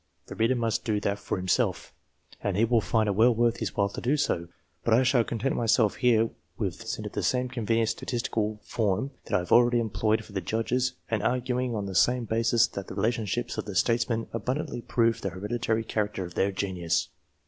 The reader must do that for himself, and he will find it well worth his while to do so ; but I shall content myself here with throwing results into the same convenient statistical form that I have already employed for the Judges, and arguing on the same bases that the relationships of the Statesmen abun dantly prove the hereditary character of their genius.